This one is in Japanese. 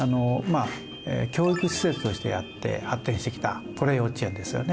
教育施設として発展してきたこれ幼稚園ですよね。